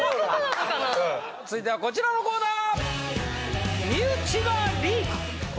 続いてはこちらのコーナー！